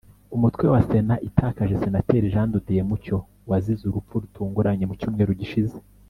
Umutwe wa Sena itakaje Senateri Jean de Dieu Mucyo wazize urupfu rutunguranye mu cyumweru gishize